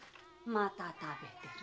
また食べてる。